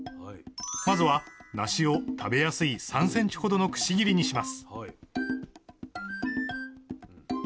まずはなしを食べやすい３ｃｍほどのくし切りにします。